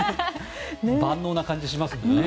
万能な感じがしますもんね。